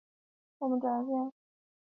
我们展现互助